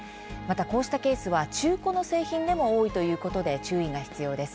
こうしたケースは中古の製品でも多いということで注意が必要です。